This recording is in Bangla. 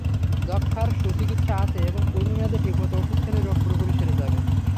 যক্ষ্মার সুচিকিৎসা আছে এবং পূর্ণ মেয়াদে ঠিকমতো ওষুধ খেলে রোগ পুরোপুরি সেরে যাবে।